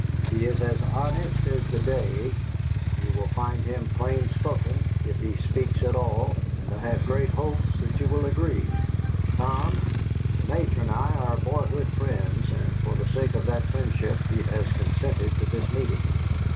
He is as honest as the day; you will find him plain spoken if he speaks at all, and I have great hopes that you will agree. Tom, the Major and I are boyhood friends, and for the sake of that friendship he has consented to this meeting."